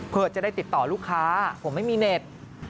เพื่อจะได้ติดต่อลูกค้าผมไม่มีเน็ต